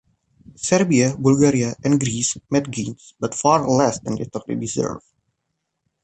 Serbia, Bulgaria and Greece made gains, but far less than they thought they deserved.